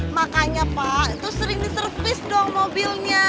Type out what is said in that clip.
makanya pak itu sering di servis dong mobilnya